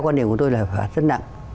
quan điểm của tôi là phạt rất nặng